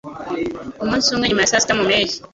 Umunsi umwe nyuma ya saa sita mu mpeshyi